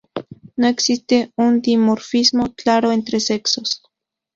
No existe un dimorfismo claro entre sexos.